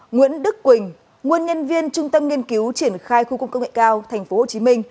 nguyễn đức quỳnh nguyên nhân viên trung tâm nghiên cứu triển khai khu công nghệ cao tp hcm